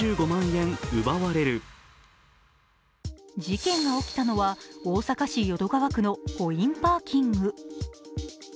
事件が起きたのは大阪市淀川区のコインパーキング。